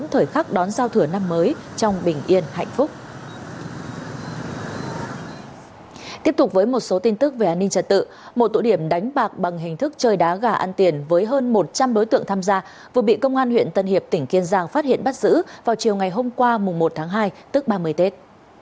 tiếp tục với một số tin tức về an ninh trật tự một tụ điểm đánh bạc bằng hình thức chơi đá gà ăn tiền với hơn một trăm linh đối tượng tham gia vừa bị công an huyện tân hiệp tỉnh kiên giang phát hiện bắt giữ vào chiều ngày hôm qua một tháng hai tức ba mươi tết